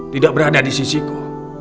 tidak berada di sisiku